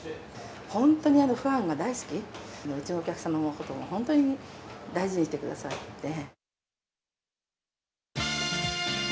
本当にファンが大好き、うちのお客様のことも本当に大事にしてくださって。